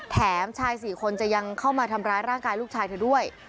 ชาย๔คนจะยังเข้ามาทำร้ายร่างกายลูกชายเธอด้วย